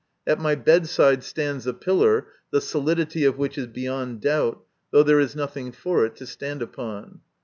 At my bedside stands a pillar, the solidity of which is beyond doubt, though there is nothing for it to stand upon.